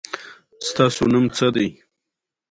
ازادي راډیو د د اوبو منابع د منفي اړخونو یادونه کړې.